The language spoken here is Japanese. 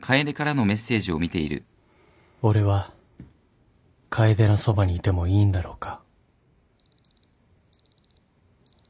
俺は楓のそばにいてもいいんだろうか